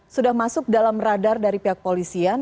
sudah masuk dalam radar dari pihak polisian